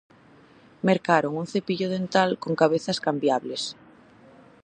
Mercaron un cepillo dental con cabezas cambiables.